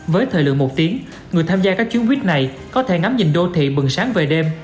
với thời lượng một tiếng người tham gia các chuyến buýt này có thể ngắm nhìn đô thị bừng sáng về đêm